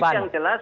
saya yang jelas